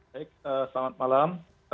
baik selamat malam